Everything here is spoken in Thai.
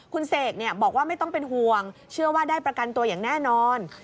คุณเสกบอกว่าไม่ต้องเป็นห่วงเชื่อว่าได้ประกันตัวอย่างแน่นอน